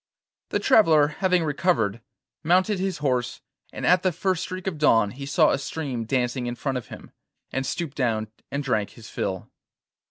The traveller having recovered, mounted his horse, and at the first streak of dawn he saw a stream dancing in front of him, and stooped down and drank his fill.